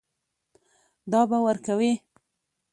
دا به ورکوې.